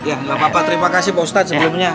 ya nggak apa apa terima kasih pak ustadz sebelumnya